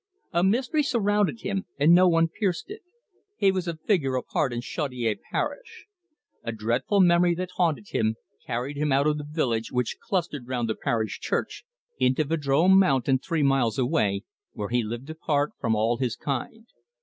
A mystery surrounded him, and no one pierced it. He was a figure apart in Chaudiere parish. A dreadful memory that haunted him, carried him out of the village, which clustered round the parish church, into Vadrome Mountain, three miles away, where he lived apart from all his kind.